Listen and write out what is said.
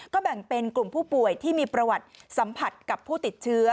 แบ่งเป็นกลุ่มผู้ป่วยที่มีประวัติสัมผัสกับผู้ติดเชื้อ